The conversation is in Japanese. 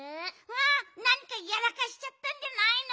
あっなにかやらかしちゃったんじゃないの？